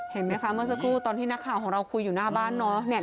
เห็นไหมคะเมื่อสักครู่ตอนที่นักข่าวของเราคุยอยู่หน้าบ้านเนาะ